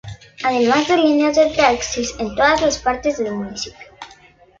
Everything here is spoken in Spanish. Además de líneas de taxis en todas partes del municipio.